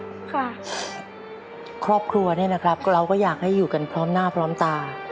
ครอบครัวเนี่ยนะครับเราก็อยากให้อยู่กันพร้อมหน้าพร้อมตา